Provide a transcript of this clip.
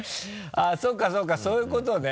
あぁそうかそうかそういうことね。